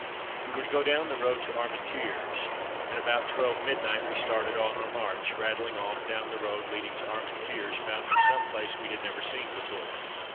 We were to go down the road to Armentières, and at about twelve midnight we started on our march, rattling off down the road leading to Armentières, bound for some place we had never seen before.